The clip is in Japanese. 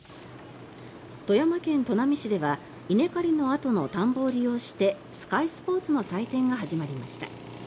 富山県砺波市では稲刈りのあとの田んぼを利用してスカイスポーツの祭典が始まりました。